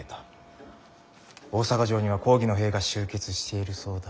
大坂城には公儀の兵が集結しているそうだ。